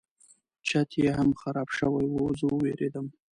چت یې هم خراب شوی و زه وویرېدم.